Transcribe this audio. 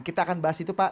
kita akan bahas itu pak